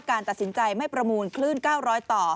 การตัดสินใจไม่ประมูลคลื่น๙๐๐ต่อ